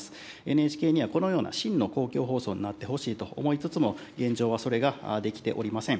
ＮＨＫには、このような真の公共放送になってほしいと思いつつも、現状はそれができておりません。